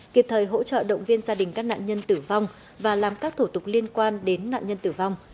kịp thời hỗ trợ động viên gia đình các nạn nhân tử vong và làm các thủ tục liên quan đến nạn nhân tử vong